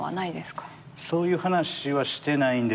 そういう話はしてないんですけど。